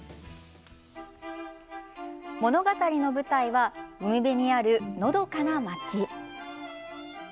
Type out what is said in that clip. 物語の舞台は海辺にある、のどかな町。